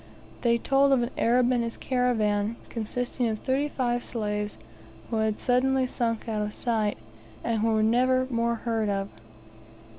They told of an Arab and his caravan, consisting of thirty five slaves, who had suddenly sunk out of sight, and who were never more heard of.